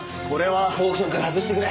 オークションから外してくれ。